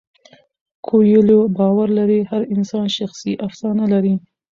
کویلیو باور لري هر انسان شخصي افسانه لري.